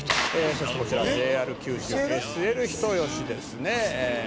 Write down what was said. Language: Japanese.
「そしてこちらＪＲ九州ＳＬ人吉ですね」